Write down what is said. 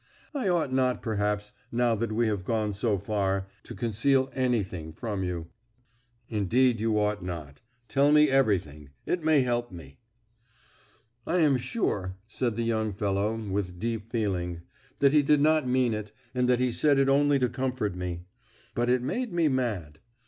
I ought not, perhaps, now that we have gone so far, to conceal anything from you." "Indeed you ought not. Tell me everything; it may help me." "I am sure," said the young fellow, with deep feeling, "that he did not mean it, and that he said it only to comfort me. But it made me mad.